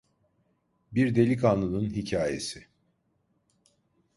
Bir delikanlının hikayesi.